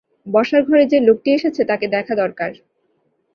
বসার ঘরে যে-লোকটি এসেছে তাকে দেখা দরকার।